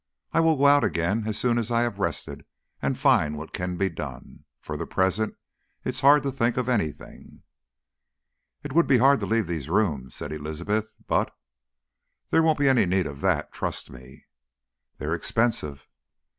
I will go out again as soon as I have rested, and find what can be done. For the present it's hard to think of anything...." "It would be hard to leave these rooms," said Elizabeth; "but " "There won't be any need of that trust me." "They are expensive."